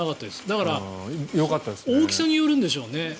だから大きさによるんでしょうね。